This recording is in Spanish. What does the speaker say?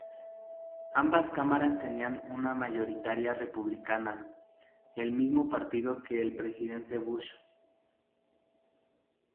Ambas cámaras tenían una mayoría Republicana, el mismo partido que el Presidente Bush.